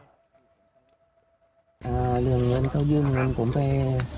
เรื่องเงินเขายื่นเงินผมไป